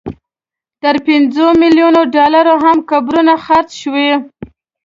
تر پنځو ملیونو ډالرو هم قبرونه خرڅ شوي.